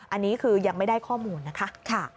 อันนี้คือยังไม่ได้ข้อมูลนะคะ